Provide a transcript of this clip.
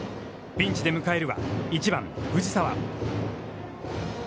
ピンチで迎えるは、１番藤沢。